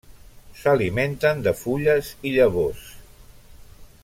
S'alimenten de fulles i llavors.